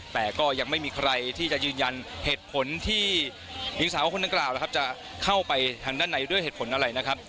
แต่ก็ยังไม่มีใครที่จะยืนยันเหตุผลที่หญิงสาวคนดังกล่าวนะครับจะเข้าไปทางด้านในด้วยเหตุผลอะไรนะครับ